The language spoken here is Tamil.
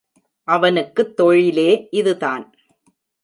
அவனுக்குத் தொழிலே இது தான்.